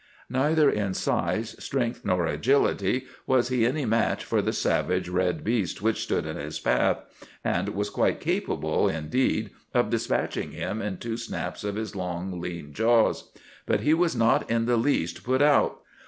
Neither in size, strength, nor agility was he any match for the savage red beast which stood in his path, and was quite capable, indeed, of dispatching him in two snaps of his long, lean jaws. But he was not in the least put out.